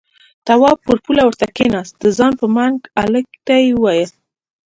تواب پر پوله ورته کېناست، د ځان په منګ هلک ته يې وويل: